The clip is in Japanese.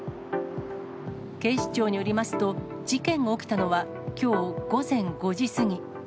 警視庁によりますと、事件が起きたのはきょう午前５時過ぎ。